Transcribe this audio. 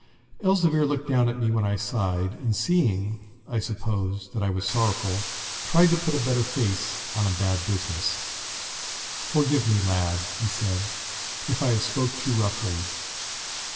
Elzevir looked down at me when I sighed, and seeing, I suppose, that I was sorrowful, tried to put a better face on a bad business. 'Forgive me, lad,' he said, 'if I have spoke too roughly.